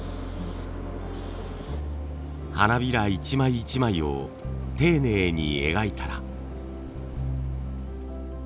花びら一枚一枚を丁寧に描いたら。